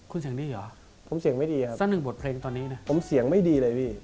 คุณเสียงดีหรอสั้นหนึ่งบทเพลงตอนนี้นะผมเสียงไม่ดีครับผมเสียงไม่ดีเลยพี่